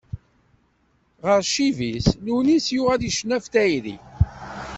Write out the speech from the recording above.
Ɣer ccib-is, Lunis yuɣal icennu ɣef tayri.